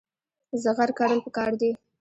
زغر کرل پکار دي.